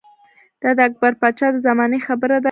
دا د اکبر باچا د زمانې خبره ده